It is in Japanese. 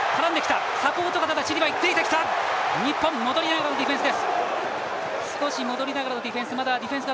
日本、戻りながらのディフェンス。